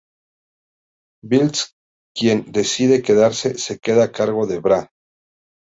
Bills, quien decide quedarse se queda a cargo de Bra.